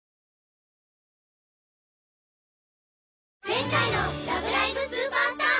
前回の「ラブライブ！スーパースター！！